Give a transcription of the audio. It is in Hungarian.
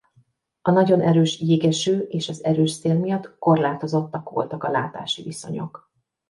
A nagyon erős jégeső és az erős szél miatt korlátozottak voltak a látási viszonyok.